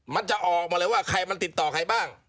มันจะออกมาเลยว่าใครมันติดต่อใครบ้าง